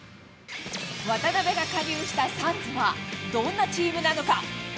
渡邊が加入したサンズは、どんなチームなのか。